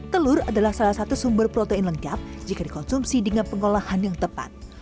telur adalah salah satu sumber protein lengkap jika dikonsumsi dengan pengolahan yang tepat